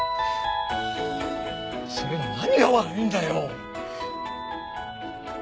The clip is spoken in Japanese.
それの何が悪いんだよ！